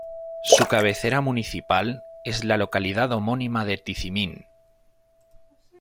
Su cabecera municipal es la localidad homónima de Tizimín.